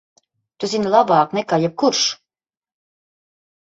Tu zini labāk nekā jebkurš!